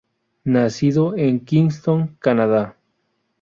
Nacido en Kingston, Canadá.